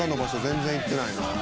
全然行ってないな」